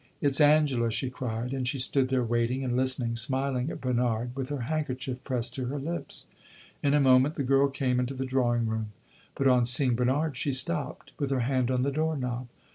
"It 's Angela," she cried, and she stood there waiting and listening, smiling at Bernard, with her handkerchief pressed to her lips. In a moment the girl came into the drawing room, but on seeing Bernard she stopped, with her hand on the door knob.